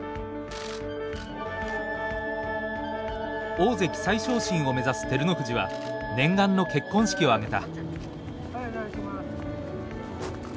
大関再昇進を目指す照ノ富士は念願の結婚式を挙げた。